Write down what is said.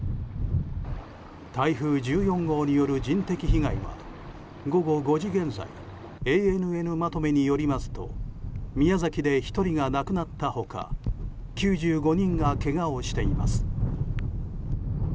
台風１４号による人的被害は午後５時現在ＡＮＮまとめによりますと宮崎で１人が亡くなった他９５人がけがをしています。